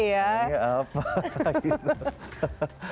bicara aja apa gitu